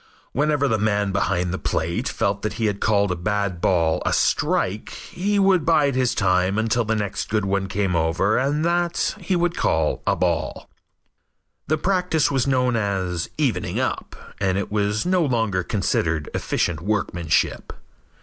Whenever the man behind the plate felt that he had called a bad ball a strike, he would bide his time until the next good one came over and that he would call a ball. The practice was known as "evening up" and it is no longer considered efficient workmanship.